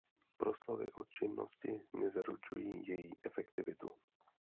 Proslovy o činnosti nezaručují její efektivitu.